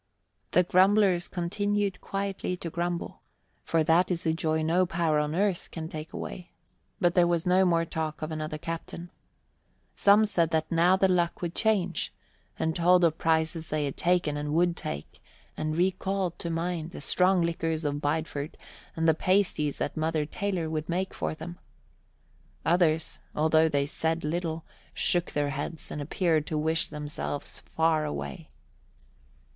The grumblers continued quietly to grumble, for that is a joy no power on earth can take away, but there was no more talk of another captain. Some said that now the luck would change and told of prizes they had taken and would take, and recalled to mind the strong liquors of Bideford and the pasties that Mother Taylor would make for them. Others, although they said little, shook their heads and appeared to wish themselves far away.